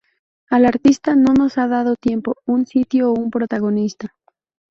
El artista no nos ha dado tiempo, un sitio, o un protagonista.